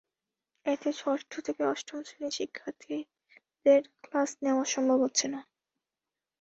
এতে ষষ্ঠ থেকে অষ্টম শ্রেণির শিক্ষার্থীদের ক্লাস নেওয়া সম্ভব হচ্ছে না।